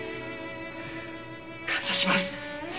感謝します。